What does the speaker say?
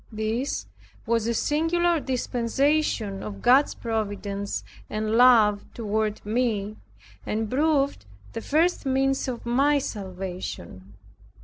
This was a singular dispensation of God's providence and love toward me, and proved the first means of my salvation.